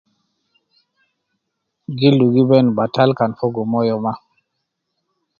Gildu gi ben batal kan fogo moyo ma